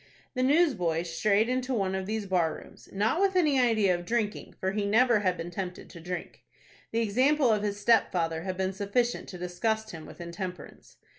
The newsboy strayed into one of these bar rooms, not with any idea of drinking, for he never had been tempted to drink. The example of his stepfather had been sufficient to disgust him with intemperance.